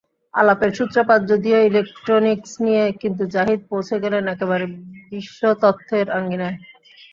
আলাপের সূত্রপাত যদিও ইলেকট্রনিকস নিয়ে কিন্তু জাহিদ পৌঁছে গেলেন একেবারে বিশ্বতত্ত্বের আঙিনায়।